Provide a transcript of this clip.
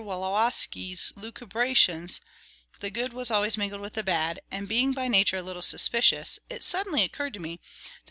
Wolowski's lucubrations the good was always mingled with the bad, and being by nature a little suspicious, it suddenly occurred to me that M.